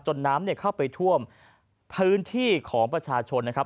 น้ำเข้าไปท่วมพื้นที่ของประชาชนนะครับ